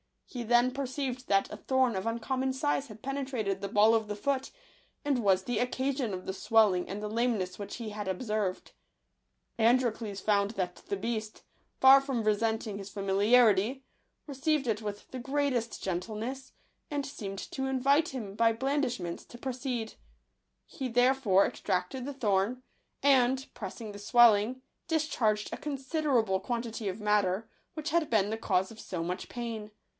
He then perceived that a thorn of uncommon size had penetrated the ball of the foot, and was the occasion of the swelling and the lameness which he had ob served. Androcles found that the beast, far from resenting his familiarity, received it with the greatest gentleness, and seemed to invite him by his blandishments to proceed. He 75 H H Digitized by v^ooQle therefore extracted the thorn, and, pressing the swelling, discharged a considerable quan tity of matter, which had been the cause of so much pain.